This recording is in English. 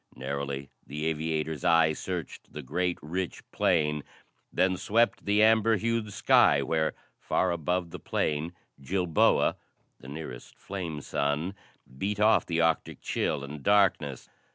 Narrowly, the aviator's eye searched the great, rich plain, then swept the amber hued sky where, far above the plain, Jilboa, the nearest flame sun, beat off the Arctic chill and darkness.